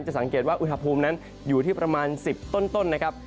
สังเกตว่าอุณหภูมินั้นอยู่ที่ประมาณ๑๐ต้นนะครับ